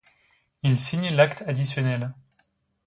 Il signe l'acte additionnel.